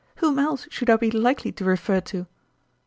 "Whom else should I be likely to refer to